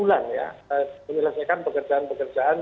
jadi ini adalah beberapa pekerjaan pekerjaan